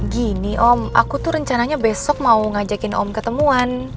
gini om aku tuh rencananya besok mau ngajakin om ketemuan